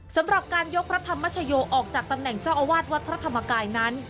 สำหรับการยกพระธรรมชโยออกจากตำแหน่งเจ้าอาวาสวัดพระธรรมกายนั้น